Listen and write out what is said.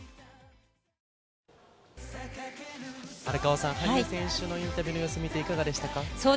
荒川さん、羽生選手のインタビューの様子を見ていかがでしたか？